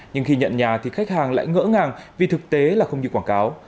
nhưng khi nhận nhà thì khách hàng lại ngỡ ngàng vì thực tế là không như quảng cáo